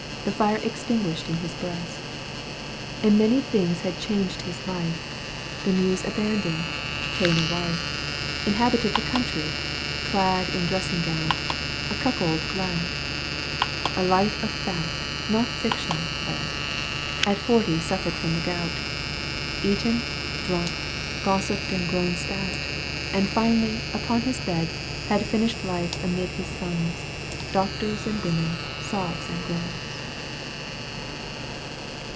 The fire extinguished in his breast, In таЭТ/ things had changed his life — The Muse abandoned, ta'en a wife. Inhabited the country, clad . In dressing gown, acucKold glad : A life of fact, not fiction, led — At forty suffered jfrom the gout. Eaten, drunk, gossiped and grown stout : And finally, upon his bed Had finished life amid his sons. Doctors and women, sobs and groans.